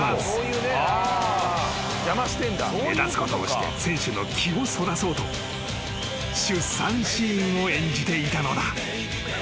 ［目立つことをして選手の気をそらそうと出産シーンを演じていたのだ］